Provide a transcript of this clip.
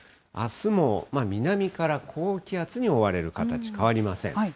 あすも南から高気圧に覆われる形、変わりません。